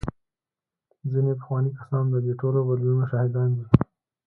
ځینې پخواني کسان د دې ټولو بدلونونو شاهدان دي.